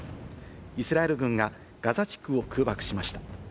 イスラエル軍がガザ地区を空爆しました。